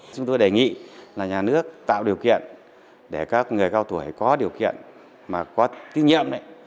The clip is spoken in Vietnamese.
chúng tôi đề nghị là nhà nước tạo điều kiện để các người cao tuổi có điều kiện mà có tín nhiệm